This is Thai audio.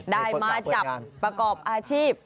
ได้มาจับประกอบอาชีพ